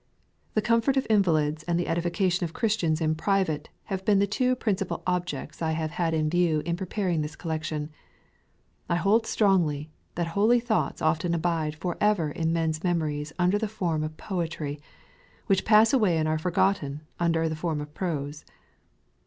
The comfort of invalids and the edification of Christians in private, have been the two principal objects I have had in view in preparing this col lection. I hold strongly, that holy thoughts oflten abide for ever in men's memories under the form of poetry, which pass away and are forgotten under the form of prose.